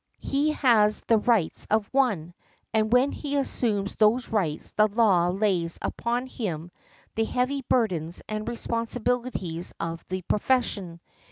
He has the rights of one, and when he assumes those rights the law lays upon him the heavy burdens and responsibilities of the profession.